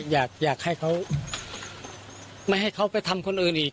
อยากให้เขาไม่ให้เขาไปทำคนอื่นอีก